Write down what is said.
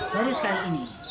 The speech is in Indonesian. baru sekali ini